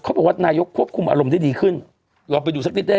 เขาบอกว่านายกควบคุมอารมณ์ได้ดีขึ้นลองไปดูสักนิดได้